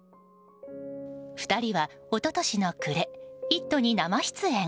２人は、一昨年の暮れ「イット！」に生出演。